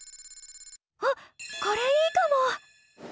あっこれいいかも！